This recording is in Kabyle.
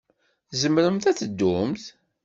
Tzemremt ad teddumt?